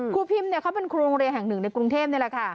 พิมเขาเป็นครูโรงเรียนแห่งหนึ่งในกรุงเทพนี่แหละค่ะ